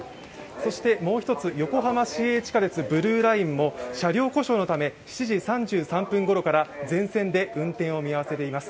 そしてもう１つ、横浜市営地下鉄ブルーラインも車両故障のため７時３３分ごろから全線で運転を見合わせています。